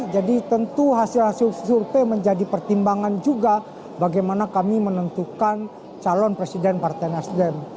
jadi tentu hasil hasil survei menjadi pertimbangan juga bagaimana kami menentukan calon presiden partai nasdem